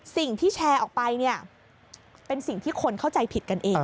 สิ่งที่แชร์ออกไปเนี่ยเป็นสิ่งที่คนเข้าใจผิดกันเอง